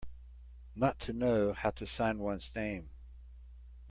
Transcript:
Not to know how to sign one's name.